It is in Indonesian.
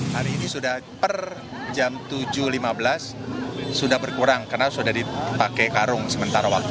hari ini sudah per jam tujuh lima belas sudah berkurang karena sudah dipakai karung sementara waktu